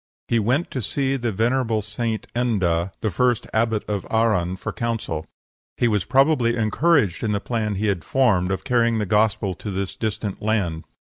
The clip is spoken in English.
He went to see the venerable St. Enda, the first abbot of Arran, for counsel. He was probably encouraged in the plan he had formed of carrying the Gospel to this distant land.